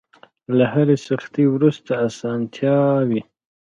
له هرې سختۍ وروسته ارسانتيا وي.